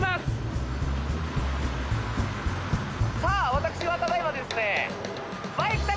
私はただいまですねあっ